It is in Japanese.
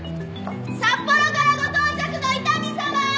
札幌からご到着の伊丹さま！